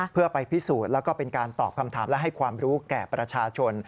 เพื่อไปพิสูจน์แล้วก็เป็นการตอบคำถามและให้ความรู้แก่ประชาชน